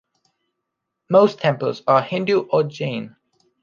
Most temples are Hindu or Jain.